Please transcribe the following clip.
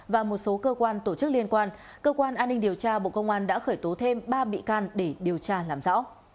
và một số cơ quan tổ chức liên quan cơ quan an ninh điều tra bộ công an đã khởi tố thêm ba bị can để điều tra làm rõ